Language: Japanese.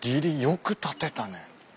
よく建てたね。